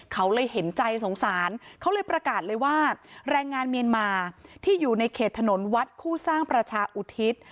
เขาเลยเห็นใจสงสารเขาเลยประกาศเลยว่าแรงงานเมียนมาที่อยู่ในเขตถนนวัดคู่สร้างประชาอุทิศ